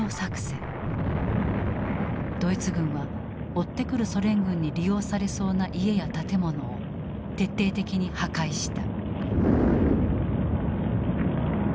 ドイツ軍は追ってくるソ連軍に利用されそうな家や建物を徹底的に破壊した。